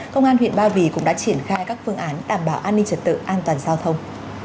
công an huyện ba vì cũng đã triển khai các phương án đảm bảo an ninh trật tự an toàn giao thông